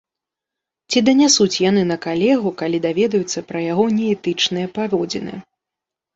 Ці данясуць яны на калегу, калі даведаюцца пра яго неэтычныя паводзіны.